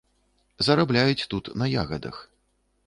Зарабляюць тут на ягадах.